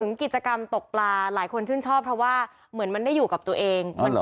กิจกรรมตกปลาหลายคนชื่นชอบเพราะว่าเหมือนมันได้อยู่กับตัวเอง